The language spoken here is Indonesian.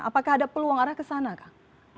apakah ada peluang arah ke sana kang